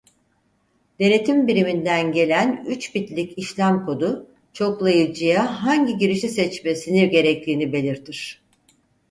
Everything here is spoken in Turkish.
Denetim biriminden gelen üç bitlik işlem kodu çoklayıcıya hangi girişi seçmesini gerektiğini belirtir.